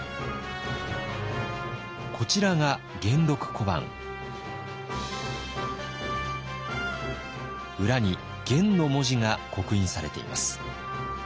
こちらが裏に「元」の文字が刻印されています。